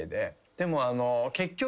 でも結局。